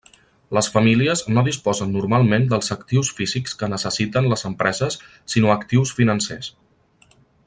Les famílies no disposen normalment dels actius físics que necessiten les empreses sinó actius financers.